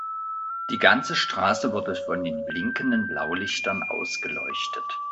Die ganze Straße wurde von den blinkenden Blaulichtern ausgeleuchtet.